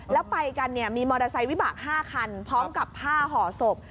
แล้วไปกันเนี่ยมีมอเตอร์ไซค์วิบาก๕คันพร้อมกับผ้าห่อศพ